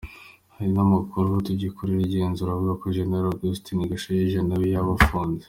Hari n’amakuru tugikorera igenzura avuga ko na Gen Augustin Gashaija nawe yaba afunze.